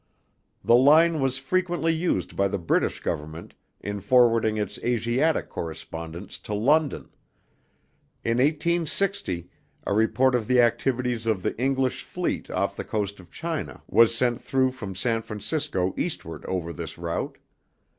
The line was frequently used by the British Government in forwarding its Asiatic correspondence to London. In 1860, a report of the activities of the English fleet off the coast of China was sent through from San Francisco eastward over this route.